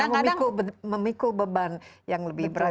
karena memikul beban yang lebih berat